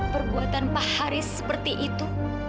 perbuatan pak haris seperti itu